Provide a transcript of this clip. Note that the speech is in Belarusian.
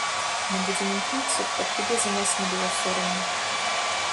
Мы будзем імкнуцца, каб табе за нас не было сорамна.